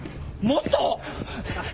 もっと。